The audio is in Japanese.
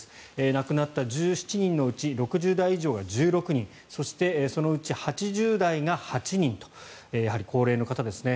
亡くなった１７人のうち６０代以上が１６人そして、そのうち８０代が８人とやはり高齢の方ですね。